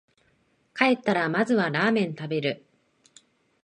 帰ったらまずはラーメン食べる